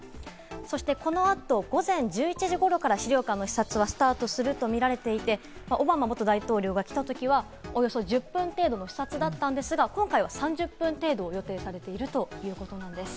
そしてこの後、午前１１時ごろから資料館の視察がスタートするとみられていて、オバマ元大統領が来たときは、およそ１０分程度の視察だったんですけれども、今回は３０分程度を予定されているということなんです。